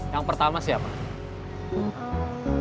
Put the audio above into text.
yang pertama siapa kerja lu